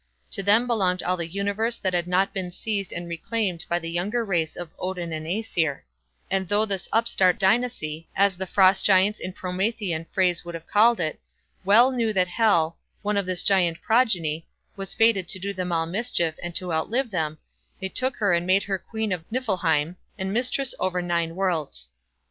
To them belonged all the universe that had not been seized and reclaimed by the younger race of Odin and Aesir; and though this upstart dynasty, as the Frost Giants in Promethean phrase would have called it, well knew that Hel, one of this giant progeny, was fated to do them all mischief, and to outlive them, they took her and made her queen of Niflheim, and mistress over nine worlds.